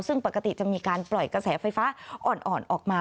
ซึ่งปกติจะมีการปล่อยกระแสไฟฟ้าอ่อนออกมา